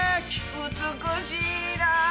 美しいな！